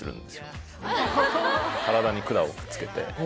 体に管をくっつけてああ